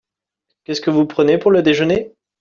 Qu'est-ce que vous prenez pour le déjeuner ?